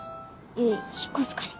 唯引っ越すから。